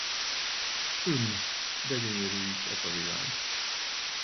Ümm, de gyönyörű is ez a világ!